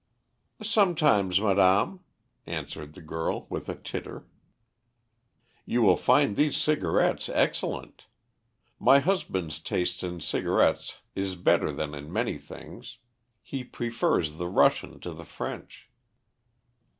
"Sometimes, madame," answered the girl, with a titter. "You will find these cigarettes excellent. My husband's taste in cigarettes is better than in many things. He prefers the Russian to the French."